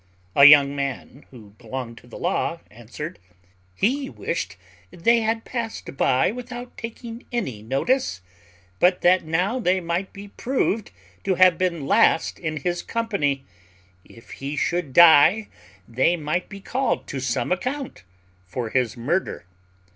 A young man who belonged to the law answered, "He wished they had passed by without taking any notice; but that now they might be proved to have been last in his company; if he should die they might be called to some account for his murder.